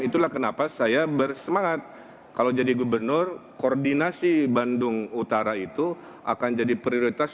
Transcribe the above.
itulah kenapa saya bersemangat kalau jadi gubernur koordinasi bandung utara itu akan jadi prioritas